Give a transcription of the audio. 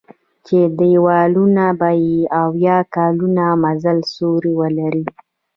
چې دېوالونه به یې اویا کالو د مزل سور ولري.